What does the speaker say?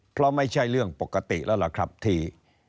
เพราะไม่ใช่เรื่องปกติแล้วล่ะครับที่